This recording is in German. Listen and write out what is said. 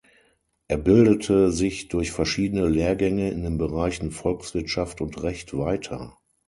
Er bildete sich durch verschiedene Lehrgänge in den Bereichen Volkswirtschaft und Recht weiter.